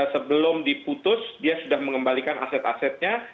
sebelum diputus dia sudah mengembalikan aset asetnya